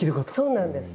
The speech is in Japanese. そうなんです。